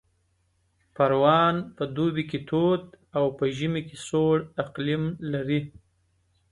پروان په دوبي کې تود او په ژمي کې سوړ اقلیم لري